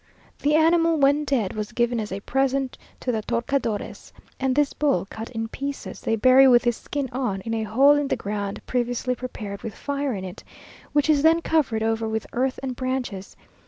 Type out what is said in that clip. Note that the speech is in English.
The animal, when dead, was given as a present to the torcadores; and this bull, cut in pieces, they bury with his skin on, in a hole in the ground previously prepared with fire in it, which is then covered over with earth and branches.